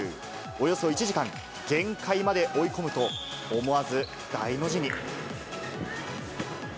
およそ１時間、限界まで追い込むと、思わず大の字に。